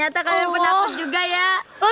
kayaknya bener deh sepupu gue tuh